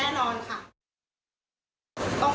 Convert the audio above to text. อารมณ์มันเหนือสติจริง